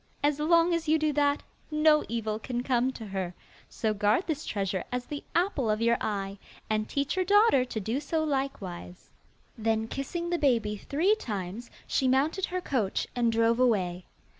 As long as you do that, no evil can come to her; so guard this treasure as the apple of your eye, and teach your daughter to do so likewise.' Then, kissing the baby three times, she mounted her coach and drove away.